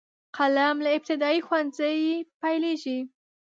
قلم له ابتدايي ښوونځي پیلیږي.